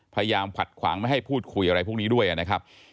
พยายามขัดขวางไม่ให้พูดคุยอะไรพวกนี้ด้วยนะครับ